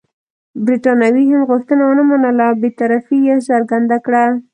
برټانوي هند غوښتنه ونه منله او بې طرفي یې څرګنده کړه.